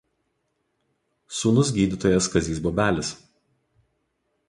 Sūnus gydytojas Kazys Bobelis.